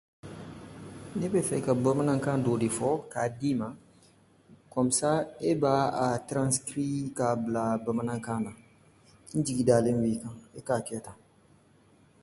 - A kɛnɛ ye joli ye?